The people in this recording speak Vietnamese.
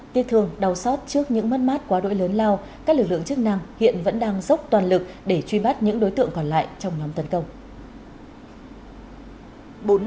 tiếc thương đau xót trước những mất mát quá đội lớn lao các lực lượng chức năng hiện vẫn đang dốc toàn lực để truy bắt những đối tượng còn lại trong nhóm tấn công